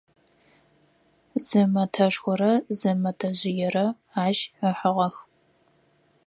Зы мэтэшхорэ зы мэтэжъыерэ ащ ыхьыгъэх.